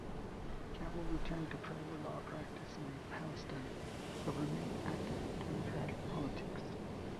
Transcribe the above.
Campbell returned to private law practice in Palestine, but remained active in Democratic politics.